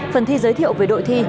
phần thi giới thiệu về đội thi